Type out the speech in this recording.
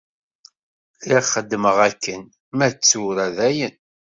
Lliɣ xeddmeɣ akken, ma d tura dayen.